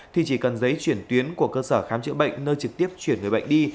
thì chỉ cần giấy chuyển tuyến của cơ sở khám chữa bệnh nơi trực tiếp chuyển người bệnh đi